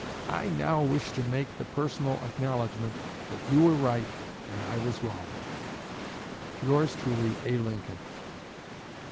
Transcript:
I now wish to make the personal acknowledgment that you were right and I was wrong. Yours truly, A. LINCOLN.